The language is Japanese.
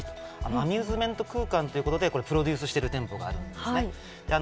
アミューズメント空間ということでプロデュースしているんですね。